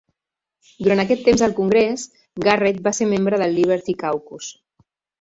Durant aquest temps al Congrés, Garrett va ser membre del Liberty Caucus.